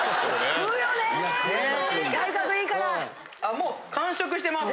もう完食してます。